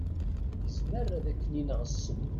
Izmer ad ken-ineɣ ssem.